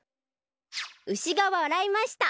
うしがわらいました。